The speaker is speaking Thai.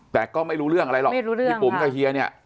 แต่ก็ไม่รู้เรื่องอะไรหรอกไม่รู้เรื่องพี่ปุ๋มกับเฮียเนี่ย